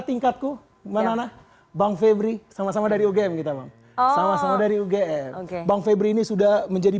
dekatku mana bang febri sama sama dari ugm kita sama sama dari ugm bang febri ini sudah menjadi